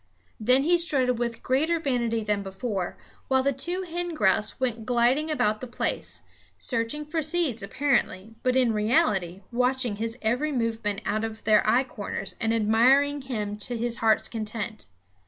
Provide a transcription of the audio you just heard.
Then he strutted with greater vanity than before, while the two hen grouse went gliding about the place, searching for seeds apparently, but in reality watching his every movement out of their eye corners, and admiring him to his heart's content.